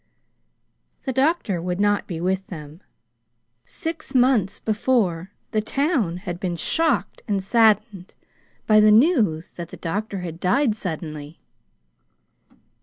The doctor would not be with them. Six months before, the town had been shocked and saddened by the news that the doctor had died suddenly.